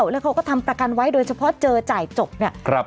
แล้วเขาก็ทำประกันไว้โดยเฉพาะเจอจ่ายจบเนี่ย